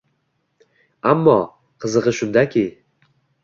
Ammo, qizig‘i shundaki